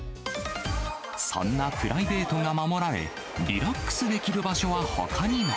そんなプライベートが守られ、リラックスできる場所はほかにも。